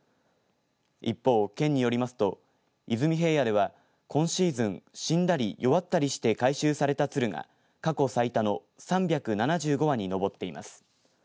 一方、県によりますと出水平野では今シーズン死んだり弱ったりして回収された鶴が過去最多の３７５羽に上っています。